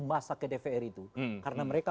masak ke dvr itu karena mereka